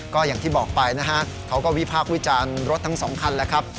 ก็อย่างที่บอกไปนะฮะเขาก็วิพากษ์วิจารณ์รถทั้งสองคันแล้วครับ